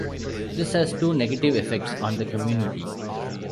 This has two negative effects on the community.